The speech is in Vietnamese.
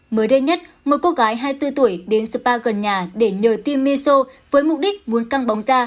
mới đây nhất một cô gái hai mươi bốn tuổi đến spa gần nhà để nhờ times meso với mục đích muốn căng bóng da